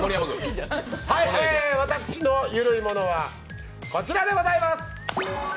私のゆるいものはこちらでございます。